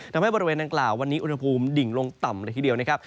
บริเวณดังกล่าววันนี้อุณหภูมิดิ่งลงต่ำเลยทีเดียวนะครับ